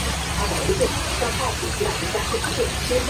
之后拉可塔亦随之说服了众多东岸各州的州长进行相同的宣布。